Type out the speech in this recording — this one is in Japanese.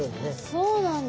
そうなんだ。